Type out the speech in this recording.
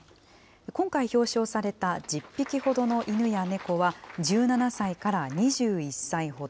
今回表彰された１０匹ほどの犬や猫は１７歳から２１歳ほど。